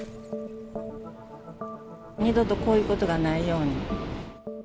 二度とこういうことがないように。